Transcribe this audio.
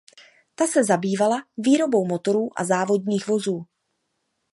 Ta se zabývala výrobou motorů a závodních vozů.